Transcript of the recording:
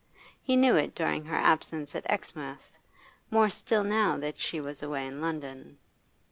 He knew it during her absence at Exmouth, more still now that she was away in London.